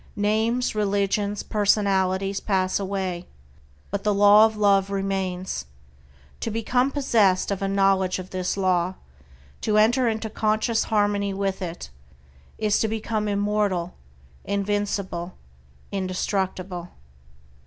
Names, religions, personalities pass away, but the Law of Love remains. To become possessed of a knowledge of this Law, to enter into conscious harmony with it, is to become immortal, invincible, indestructible.